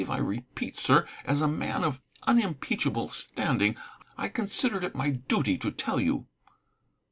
I repeat, sir, as a man of unimpeachable standing, I considered it my duty to tell you."